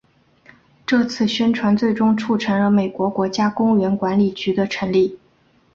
这次宣传最终促成了美国国家公园管理局的成立。